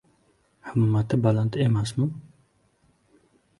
Himmati baland emasmi?!